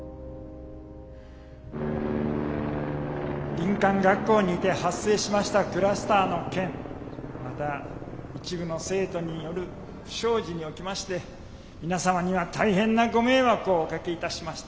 林間学校にて発生しましたクラスターの件また一部の生徒による不祥事におきまして皆様には大変なご迷惑をおかけいたしました。